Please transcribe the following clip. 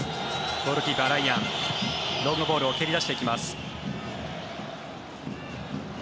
ゴールキーパー、ライアンロングボールを蹴り出していきます。